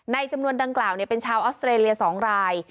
จำนวนดังกล่าวเป็นชาวออสเตรเลีย๒ราย